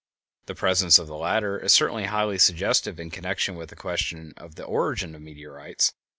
The presence of the latter is certainly highly suggestive in connection with the question of the origin of meteorites.